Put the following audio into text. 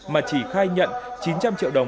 mà chỉ khai nhận chín trăm linh triệu đồng